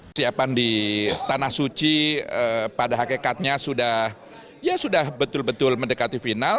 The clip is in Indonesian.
kesiapan di tanah suci pada hakikatnya sudah ya sudah betul betul mendekati final